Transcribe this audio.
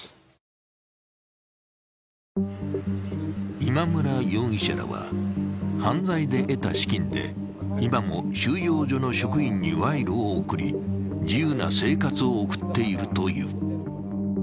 今村容疑者らは犯罪で得た資金で今も収容所の職員に賄賂を贈り自由な生活を送っているという。